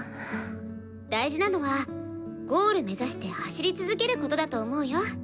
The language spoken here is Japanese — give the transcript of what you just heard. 大事なのはゴール目指して走り続けることだと思うよ。